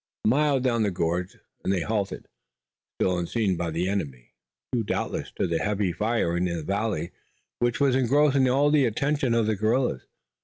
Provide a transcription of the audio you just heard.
A mile down the gorge and they halted, still unseen by the enemy, due doubtless to the heavy firing in the valley which was engrossing all the attention of the guerrillas.